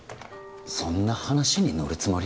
そんな話に乗るつもり？